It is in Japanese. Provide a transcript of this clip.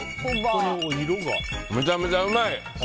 めちゃめちゃうまい！